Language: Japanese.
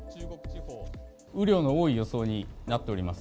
雨量が多い予想になっております。